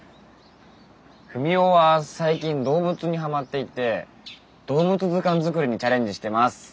ふみおは最近動物にハマっていて動物図鑑作りにチャレンジしてます。